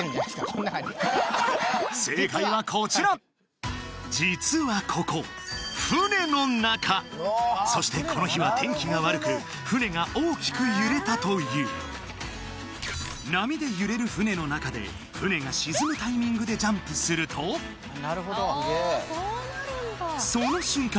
この中に正解はこちら実はここそしてこの日は天気が悪く船が大きく揺れたという波で揺れる船の中で船が沈むタイミングでジャンプするとその瞬間